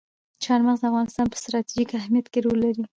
چار مغز د افغانستان په ستراتیژیک اهمیت کې رول لري.